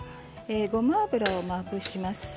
ごま油をまぶします。